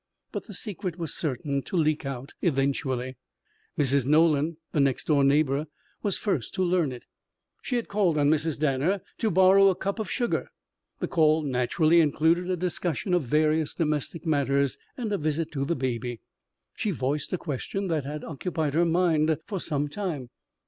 But the secret was certain to leak out eventually. Mrs. Nolan, the next door neighbour, was first to learn it. She had called on Mrs. Danner to borrow a cup of sugar. The call, naturally, included a discussion of various domestic matters and a visit to the baby. She voiced a question that had occupied her mind for some time.